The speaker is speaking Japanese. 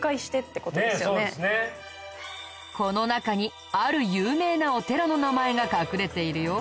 この中にある有名なお寺の名前が隠れているよ。